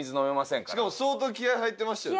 しかも相当気合入ってましたよ。